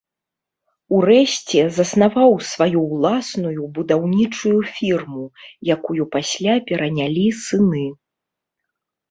У рэшце заснаваў сваю ўласную будаўнічую фірму, якую пасля перанялі сыны.